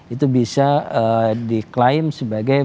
itu bisa diklaim sebagai